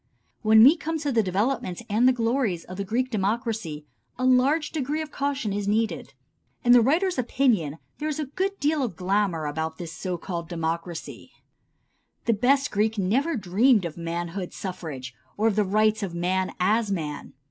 When we come to the development and the glories of the Greek democracy a large degree of caution is needed. In the writer's opinion there is a good deal of glamour about this so called democracy. The best Greek never dreamed of manhood suffrage, or the rights of man as man.